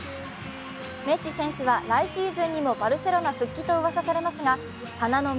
メッシ選手は来シーズンにもバルセロナ復帰とうわさされますが花の都